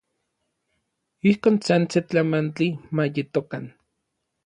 Ijkon san se tlamantli ma yetokan.